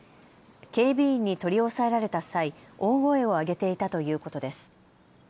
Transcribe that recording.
警備員に取り押さえられた際、大声を上げていたということです。